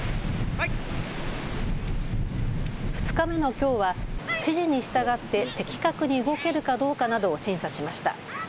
２日目のきょうは指示に従って的確に動けるかどうかなどを審査しました。